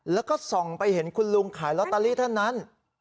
แล้วก็ส่องไปเห็นคุณลุงขายลอตเตอรี่ท่านนั้น